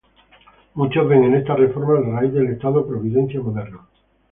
Muchos ven en estas reformas la raíz del estado providencia moderno.